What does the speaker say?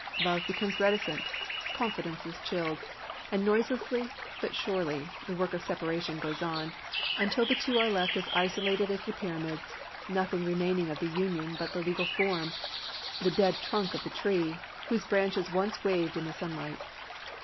Love becomes reticent, confidence is chilled, and noiselessly but surely the work of separation goes on, until the two are left as isolated as the pyramids, nothing remaining of the union but the legal form—the dead trunk of the tree, whose branches once waved in the sunlight.